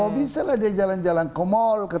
oh bisa lah dia jalan jalan ke mal